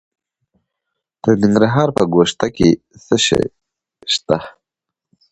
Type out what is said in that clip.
د ننګرهار په ګوشته کې څه شی شته؟